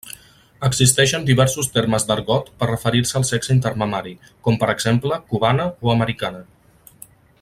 Existeixen diversos termes d'argot per referir-se al sexe intermamari, com per exemple cubana o americana.